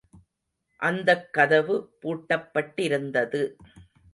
அந்தக் கதவு பூட்டப்பட்டிருந்தது.